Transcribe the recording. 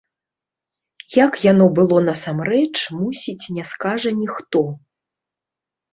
Як яно было насамрэч, мусіць, не скажа ніхто.